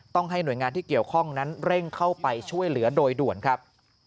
ให้หน่วยงานที่เกี่ยวข้องนั้นเร่งเข้าไปช่วยเหลือโดยด่วนครับ